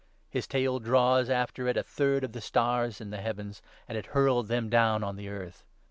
His tail draws after 4 it a third of the stars in the heavens, and it hurled them down on the earth.